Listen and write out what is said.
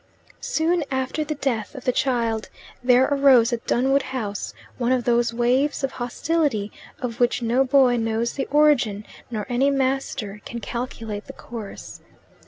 Soon after the death of the child there arose at Dunwood House one of those waves of hostility of which no boy knows the origin nor any master can calculate the course.